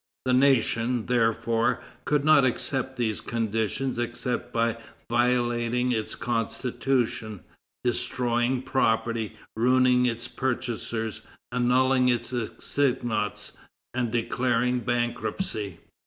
The nation, therefore, could not accept these conditions except by violating its Constitution, destroying property, ruining its purchasers, annulling its assignats, and declaring bankruptcy.